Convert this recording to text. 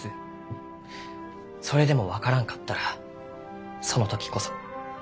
それでも分からんかったらその時こそ。